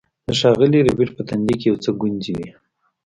د ښاغلي ربیټ په تندي کې یو څه ګونځې وې